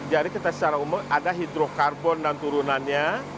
jadi kita secara umum ada hidrokarbon dan turunannya